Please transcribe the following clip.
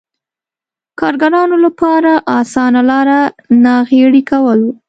کارګرانو لپاره اسانه لار ناغېړي کول و.